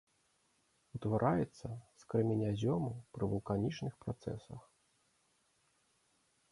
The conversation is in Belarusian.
Утвараецца з крэменязёму пры вулканічных працэсах.